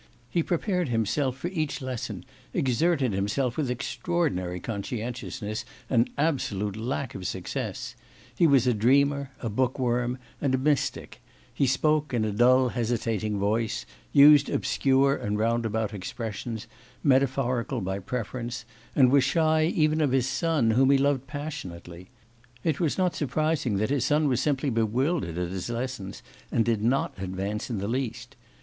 He prepared himself for each lesson, exerted himself with extraordinary conscientiousness and absolute lack of success: he was a dreamer, a bookworm, and a mystic; he spoke in a dull, hesitating voice, used obscure and roundabout expressions, metaphorical by preference, and was shy even of his son, whom he loved passionately. It was not surprising that his son was simply bewildered at his lessons, and did not advance in the least.